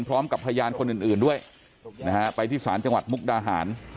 พร้อมกับพยานคนอื่นด้วยนะฮะไปที่ศาลจังหวัดมุกดาหาร